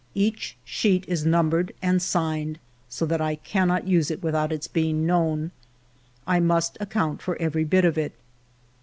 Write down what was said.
Each sheet is numbered and signed so that I cannot use it without its being known. I must account for every bit of it.